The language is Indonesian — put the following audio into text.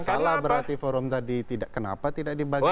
salah berarti forum tadi kenapa tidak dibagikan